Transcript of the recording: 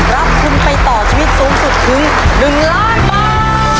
รับทุนไปต่อชีวิตสูงสุดถึง๑ล้านบาท